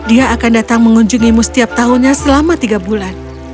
dia akan datang mengunjungimu setiap tahunnya selama tiga bulan